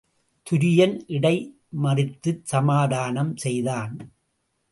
துரியன் இடை மறித்துச்சமாதானம் செய்தான்.